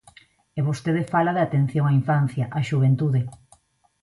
E vostede fala de atención á infancia, á xuventude.